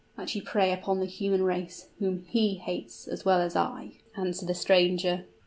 "That you prey upon the human race, whom he hates as well as I," answered the stranger.